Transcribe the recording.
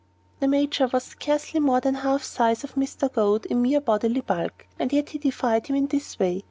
The Major was scarcely more than half the size of Mr. Goad in mere bodily bulk, and yet he defied him in this way.